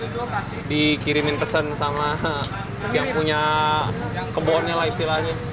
dikirimin pesan sama yang punya kebunnya lah istilahnya